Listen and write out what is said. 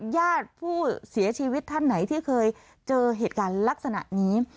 ญาติผู้เสียชีวิตท่านไหนที่เคยเจอเหตุการณ์ลักษณะนี้